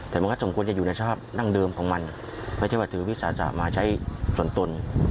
แต่มันคือสมควรจะอยู่ในชาวนั่งเดิมของมันไม่ใช่ถือวิทยาศาสถ์มาใช้ส่วนตน